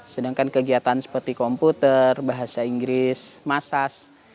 sedangkan kegiatan seperti komputer bahasa inggris masas